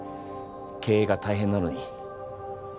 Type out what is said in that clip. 経営が大変なのに。